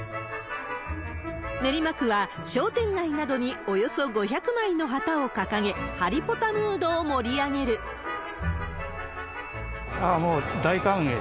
練馬区は商店街などにおよそ５００枚の旗を掲げ、ああもう、大歓迎。